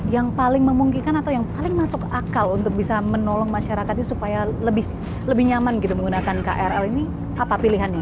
yang paling memungkinkan atau yang paling masuk akal untuk bisa menolong masyarakatnya supaya lebih nyaman gitu menggunakan krl ini apa pilihannya